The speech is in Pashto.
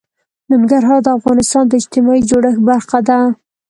ننګرهار د افغانستان د اجتماعي جوړښت برخه ده.